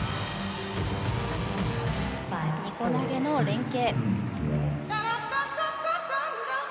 ２個投げの連係。